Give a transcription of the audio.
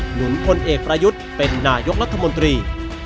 หนุนพลเอกประยุทธ์เป็นนายกรัฐมนตรี